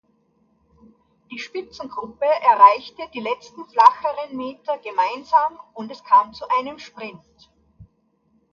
Die Spitzengruppe erreichte die letzten flacheren Meter gemeinsam und es kam zu einem Sprint.